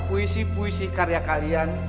puisi puisi karya kalian